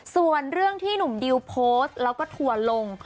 ส่วนเรื่องที่หนุ่มดิวโพสต์แล้วก็ทัวร์ลง